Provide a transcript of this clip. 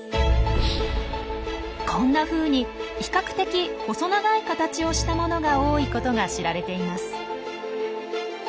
こんなふうに比較的細長い形をしたものが多いことが知られています。